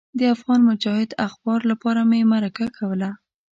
د افغان مجاهد اخبار لپاره مې مرکه کوله.